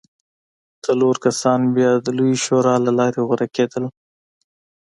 څلور کسان بیا د لویې شورا له لارې غوره کېدل